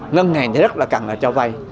ngân hàng thì rất là cần là cho vay